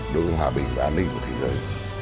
đối với hòa bình và an ninh của thế giới